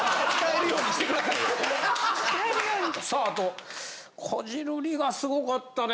さああとこじるりがすごかったね。